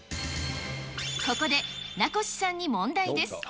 ここで名越さんに問題です。